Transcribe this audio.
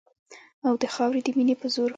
او د خاورې د مینې په زور